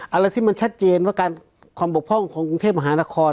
อะไรที่มันชัดเจนว่าการความบกพร่องของกรุงเทพมหานคร